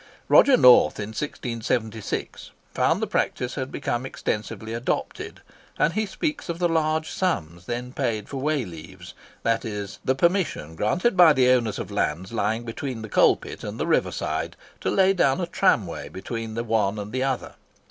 Roger North, in 1676, found the practice had become extensively adopted, and he speaks of the large sums then paid for way leaves; that is, the permission granted by the owners of lands lying between the coal pit and the river side to lay down a tramway between the one and the other.